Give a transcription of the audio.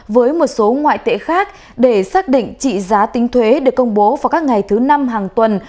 với một số ngoại tệ khác để xác định trị giá tính thuế được công bố vào các ngày thứ năm hàng tuần